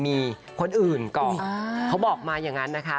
มีคนอื่นก่อนเขาบอกมาอย่างนั้นนะคะ